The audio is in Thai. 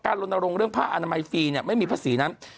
ลนรงค์เรื่องผ้าอนามัยฟรีไม่มีภาษีนั้น